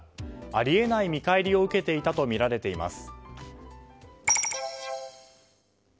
あり得ない見返りを受けていたとみられています。